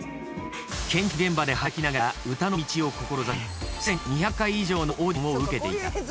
建築現場で働きながら歌の道を志しすでに２００回以上のオーディションを受けていた。